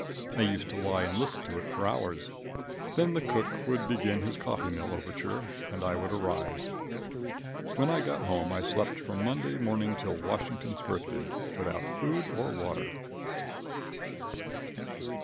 I used to lie and listen to it for hours. Then the cook would begin his coffee mill overture and I would arise. When I got home I slept from Monday morning till Washington's Birthday, without food or water.